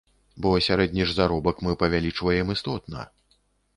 Бо сярэдні ж заробак мы павялічваем істотна.